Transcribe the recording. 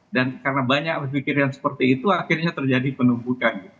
dan karena banyak pikiran seperti itu akhirnya terjadi penumbukan